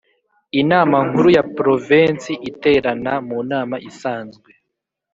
Inama nkuru ya provensi iterana mu nama isanzwe